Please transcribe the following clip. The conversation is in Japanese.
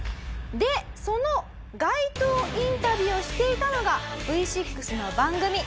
でその街頭インタビューをしていたのがＶ６の番組。